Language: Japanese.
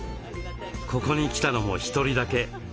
ここに来たのも１人だけ。